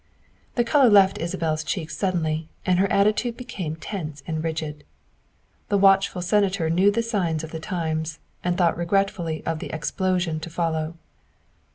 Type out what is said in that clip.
'' The color left Isabel's cheeks suddenly and her atti tude became tense and rigid. The watchful Senator knew the signs of the times, and thought regretfully of the explosion to follow.